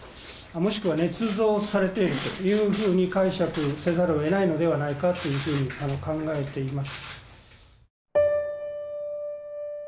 もしくはねつ造されているというふうに解釈せざるをえないのではないかというふうに考えています。